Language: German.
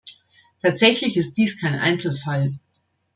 Tatsächlich ist dies kein Einzelfall.